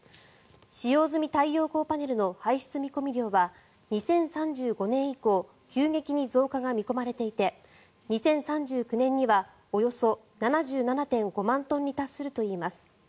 使用済み太陽光パネルの排出見込み量は２０３５年以降急激に増加が見込まれていて２０３９年にはおよそ７７．５万トンに達するといいます。